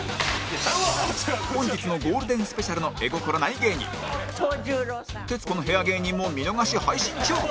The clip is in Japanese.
本日のゴールデンスペシャルの絵心ない芸人徹子の部屋芸人も見逃し配信中